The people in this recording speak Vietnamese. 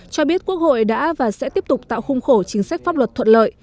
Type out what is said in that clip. cho biết quốc hội đã và sẽ tiếp tục tạo khung khổ chính sách pháp luật thuận lợi